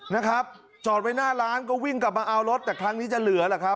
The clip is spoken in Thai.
นะครับจอดไว้หน้าร้านก็วิ่งกลับมาเอารถแต่ครั้งนี้จะเหลือแหละครับ